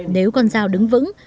nếu con dao đứng vững